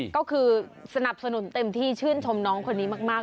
ก็คือสนับสนุนเต็มที่ชื่นชมน้องคนนี้มาก